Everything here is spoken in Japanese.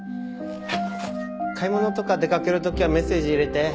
買い物とか出かける時はメッセージ入れて。